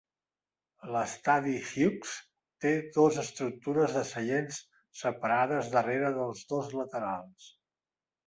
L'estadi Hughes té dos estructures de seients separades darrera dels dos laterals.